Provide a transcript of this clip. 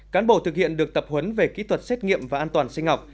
cán bộ thực hiện được tập huấn về kỹ thuật xét nghiệm và an toàn sinh học